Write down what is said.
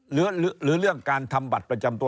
หรือเรื่องการทำบัตรประจำตัว